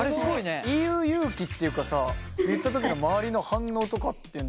それを言う勇気っていうかさ言った時の周りの反応とかってどうだったの？